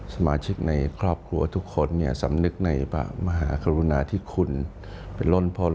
สมาชิกในครอบครัวทุกคนสำนึกในมหาคลุณาที่คุ้นเป็นร่วมพล